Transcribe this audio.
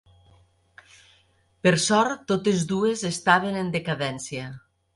Per sort totes dues estaven en decadència.